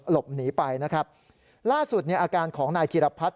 หลบหนีไปล่าสุดอาการของนายจีรพรรดิ